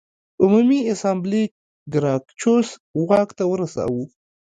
عمومي اسامبلې ګراکچوس واک ته ورساوه